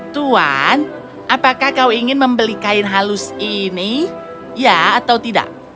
tuan apakah kau ingin membeli kain halus ini ya atau tidak